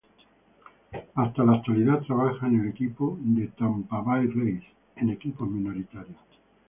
Hasta la actualidad trabaja en el equipo de tampa bay rays en equipos minoritarios.